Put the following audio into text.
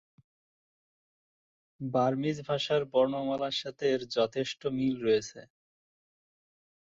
Burmese ভাষার বর্ণমালার সাথে এর যথেষ্ট মিল রয়েছে।